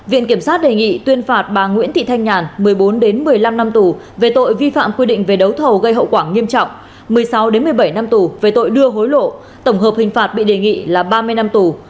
viện kiểm sát đề nghị tuyên phạt bà nguyễn thị thanh nhàn một mươi bốn một mươi năm năm tù về tội vi phạm quy định về đấu thầu gây hậu quả nghiêm trọng một mươi sáu một mươi bảy năm tù về tội đưa hối lộ tổng hợp hình phạt bị đề nghị là ba mươi năm tù